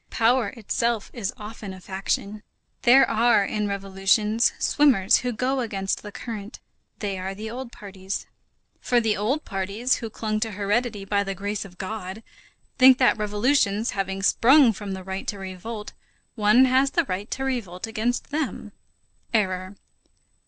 Power itself is often a faction. There are, in revolutions, swimmers who go against the current; they are the old parties. For the old parties who clung to heredity by the grace of God, think that revolutions, having sprung from the right to revolt, one has the right to revolt against them. Error.